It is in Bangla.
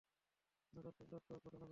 নজর সরলো তো ঘটনা ঘটল!